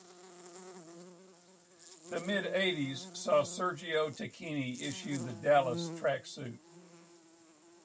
The mid-eighties saw Sergio Tacchini issue the "Dallas" tracksuit.